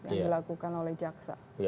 yang dilakukan oleh jaksa